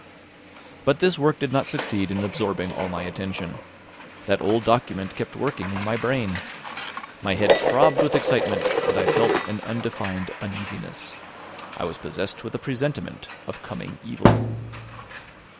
But this work did not succeed in absorbing all my attention. That old document kept working in my brain. My head throbbed with excitement, and I felt an undefined uneasiness. I was possessed with a presentiment of coming evil.